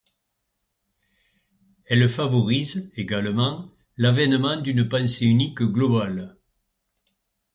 Elles favorisent, également, l’avènement d’une pensée unique globale.